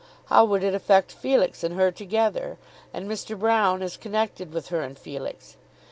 How would it affect Felix and her together, and Mr. Broune as connected with her and Felix?